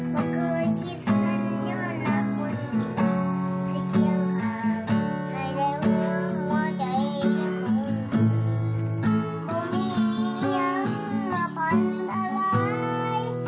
พักที่เล่นในเหตุภาพทั้งมีน้ำตาเข้ามาแด่งตื่ม